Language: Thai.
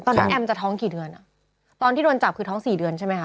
ตอนนั้นแอมม์จะท้องกี่เดือนตอนที่โดนจับคือท้อง๔เดือนใช่ไหมครับ